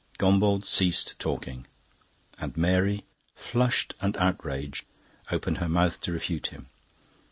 Gombauld ceased talking, and Mary, flushed and outraged, opened her mouth to refute him.